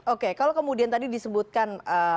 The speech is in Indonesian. oke kalau kemudian tadi disebutkan